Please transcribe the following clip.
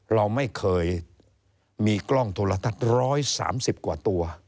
เราไม่เคยมีกล้องโทรทัศน์๑๓๐กว่าตัว